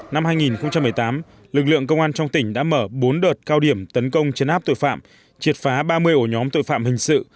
năm hai nghìn một mươi tám lực lượng công an trong tỉnh đã mở bốn đợt cao điểm tấn công chấn áp tội phạm triệt phá ba mươi ổ nhóm tội phạm hình sự